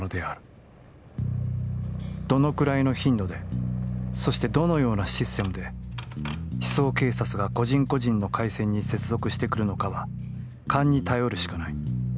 どのくらいの頻度で、そしてどのようなシステムで思想警察が個人個人の回線に接続してくるのかは、勘に頼るしかない。